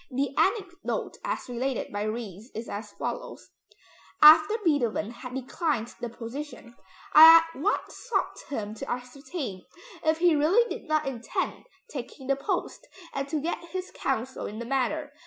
The anecdote as related by Ries is as follows: "After Beethoven had declined the position, I at once sought him to ascertain if he really did not intend taking the post, and to get his counsel in the matter.